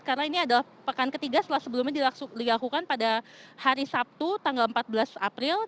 karena ini adalah pekan ketiga setelah sebelumnya dilakukan pada hari sabtu tanggal empat belas april